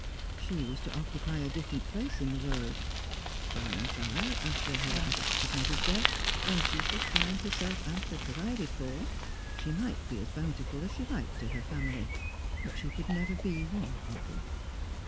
She was to occupy a different place in the world. By and by, after her adopted mother's death, when she should hud herself amply provided for, she might be as bountiful as she liked to her family, but she could never be one of them.